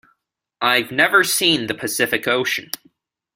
I've never seen the Pacific Ocean.